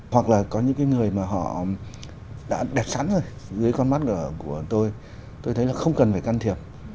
hoặc là có những cái người mà họ đã đẹp sẵn rồi dưới con mắt của tôi tôi thấy là không cần phải can thiệp